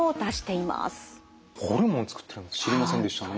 ホルモンつくってるの知りませんでしたね。